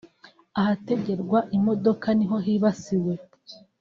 Ahategerwa imodoka ni ho hibasiwe